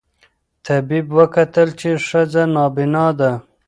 طبیب وکتل چي ښځه نابینا ده